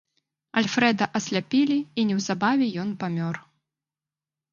Альфрэда асляпілі і неўзабаве ён памёр.